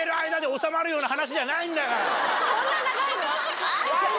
そんな長いの？